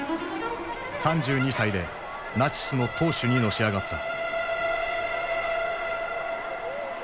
３２歳でナチスの党首にのし上がった。